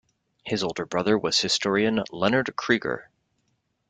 His older brother was historian Leonard Krieger.